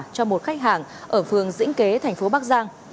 cho một khách hàng ở phương dĩnh kế tp bắc giang